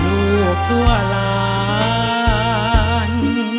ลูกทั่วหลาน